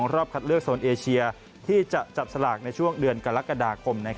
รอบคัดเลือกโซนเอเชียที่จะจับสลากในช่วงเดือนกรกฎาคม